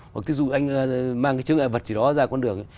hoặc dù anh mang cái chứa ngại vật gì đó ra con đường